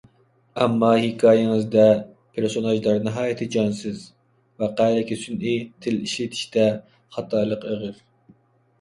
ئەمما ھېكايىڭىزدە پېرسوناژلار ناھايىتى جانسىز، ۋەقەلىكى سۈنئىي، تىل ئىشلىتىشتە خاتالىق ئېغىر.